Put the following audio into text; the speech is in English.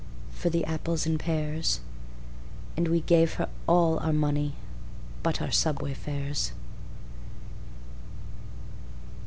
for the apples and pears, And we gave her all our money but our subway fares.